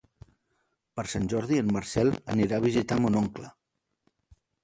Per Sant Jordi en Marcel anirà a visitar mon oncle.